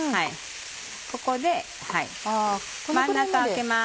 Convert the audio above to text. ここで真ん中空けます。